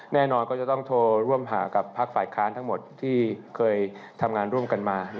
แน่นอนก็จะต้องโทรร่วมหากับภาคฝ่ายค้านทั้งหมดที่เคยทำงานร่วมกันมา